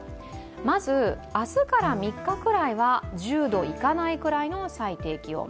まず明日から３日くらいは１０度いかないくらいの最低気温。